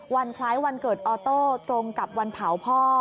คล้ายวันเกิดออโต้ตรงกับวันเผาพ่อ